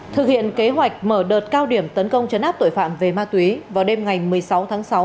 thực hiện kế hoạch mở đợt cao điểm tấn công chấn áp tội phạm về ma túy vào đêm ngày một mươi sáu tháng sáu